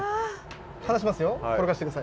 離しますよ転がして下さい。